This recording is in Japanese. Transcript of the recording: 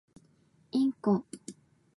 インコ